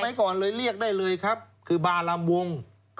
ก่อนเลยเรียกได้เลยครับคือบาลำวง